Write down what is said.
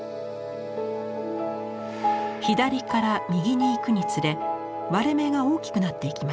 左から右に行くにつれ割れ目が大きくなっていきます。